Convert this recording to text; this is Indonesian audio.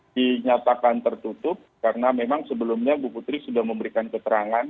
dinyatakan tertutup karena memang sebelumnya bu putri sudah memberikan keterangan